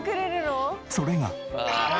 それが。